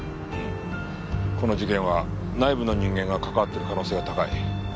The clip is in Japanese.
この事件は内部の人間が関わってる可能性が高い。